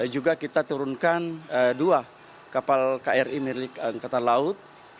juga kita turunkan dua kapal kri milik angkatan laut